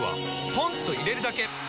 ポンと入れるだけ！